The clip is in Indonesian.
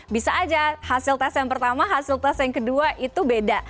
bisa aja hasil tes yang pertama hasil tes yang kedua itu beda